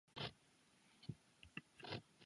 当时北宋对待原辽国汉人的政策非常不妥。